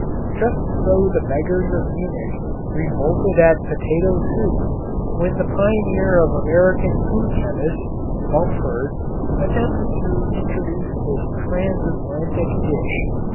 Just so the beggars of Munich revolted at potato soup when the pioneer of American food chemists, Bumford, attempted to introduce this transatlantic dish.